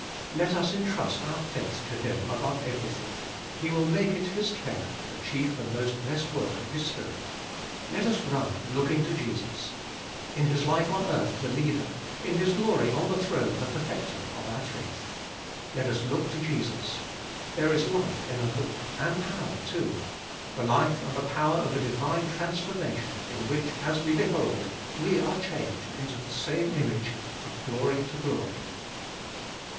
Let us entrust our faith to Him above everything ; He will make it His care, the chief and most blessed work of His Spirit. Let us run, looking to Jesus ; in His life on earth the Leader, in His glory on the throne the Perfecter, of our faith. Let us look to Jesus. There is life in a look, and power too ; the life and the power of a divine transformation, in which, as we behold, we are changed into the same image from glory to glory.